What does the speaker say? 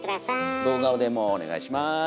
動画でもお願いします。